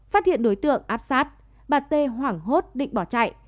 phát hiện đối tượng áp sát bà tê hoảng hốt định bỏ chạy